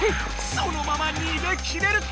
そのまま逃げ切れるか？